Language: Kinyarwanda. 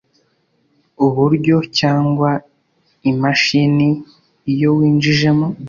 uburyo cyangwa imashini iyo winjijemo